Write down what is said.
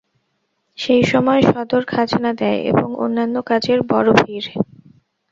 সেই সময় সদর খাজনা দেয় এবং অন্যান্য কাজের বড়ো ভিড়।